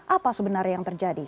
apa sebenarnya yang terjadi